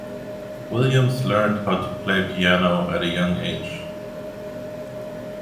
Williams learned how to play piano at a young age.